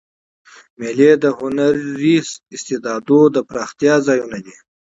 مېلې د هنري استعدادو د پراختیا ځایونه دي.